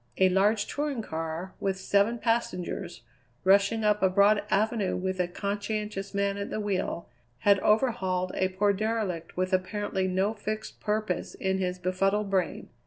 A large touring car, with seven passengers, rushing up a broad avenue with a conscientious man at the wheel, had overhauled a poor derelict with apparently no fixed purpose in his befuddled brain.